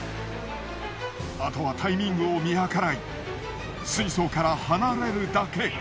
あとはタイミングを見計らい水槽から離れるだけ。